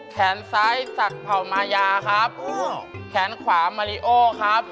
แขนซ้ายสักเผ่ามายาครับแขนขวามาริโอครับ